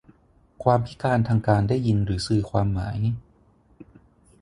ความพิการทางการได้ยินหรือสื่อความหมาย